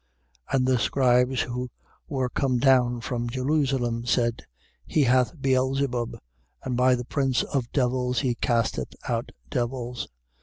3:22. And the scribes who were come down from Jerusalem, said: He hath Beelzebub, and by the prince of devils he casteth out devils.